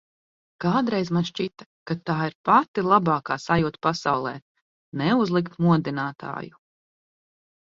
Kādreiz man šķita, ka tā ir pati labākā sajūta pasaulē – neuzlikt modinātāju.